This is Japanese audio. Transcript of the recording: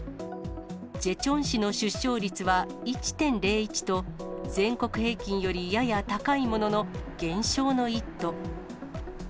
ジェチョン市の出生率は１．０１と、全国平均よりやや高いものの、減少の一途。